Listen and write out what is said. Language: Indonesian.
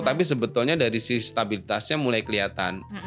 tapi sebetulnya dari sisi stabilitasnya mulai kelihatan